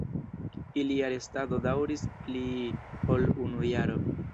Ilia restado daŭris pli ol unu jaro.